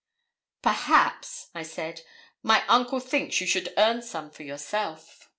'Perhaps,' I said, 'my uncle thinks you should earn some for yourself.'